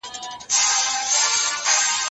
هغوی په ډېر سوق پښتو زده کوي.